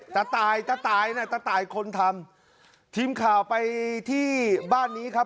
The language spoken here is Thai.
ตายตะตายน่ะตะตายคนทำทีมข่าวไปที่บ้านนี้ครับ